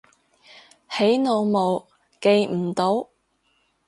起腦霧記唔到